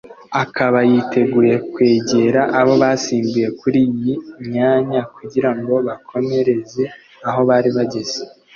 akaba yiteguye kwegera abo basimbuye kuri iyi myanya kugira ngo bakomereze aho bari bageze